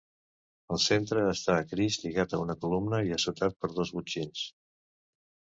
Al centre està Crist lligat a una columna i assotat per dos botxins.